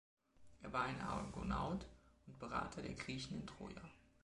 Er war ein Argonaut und Berater der Griechen in Troja.